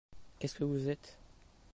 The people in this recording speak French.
Qu'est-ce que vous êtes ?